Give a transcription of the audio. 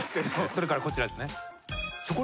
それからこちらですね。